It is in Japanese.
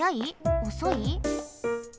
おそい？